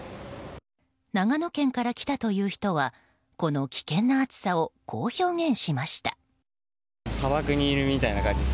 長野県から来たという人はこの危険な暑さをこう表現しました。